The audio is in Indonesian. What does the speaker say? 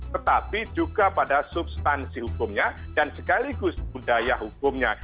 tetapi juga pada substansi hukumnya dan sekaligus budaya hukumnya